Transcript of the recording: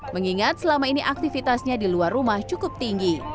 mengingat selama ini aktivitasnya di luar rumah cukup tinggi